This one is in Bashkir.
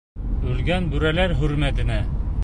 Үлгән бүреләр хөрмәтенә...